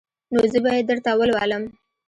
نو زه به يې درته ولولم.